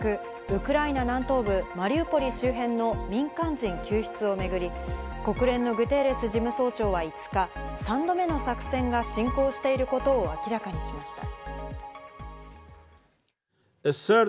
ウクライナ南東部マリウポリ周辺の民間人救出をめぐり、国連のグテーレス事務総長は５日、３度目の作戦が進行していることを明らかにしました。